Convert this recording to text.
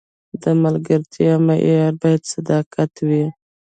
د ملګرتیا معیار باید صداقت وي.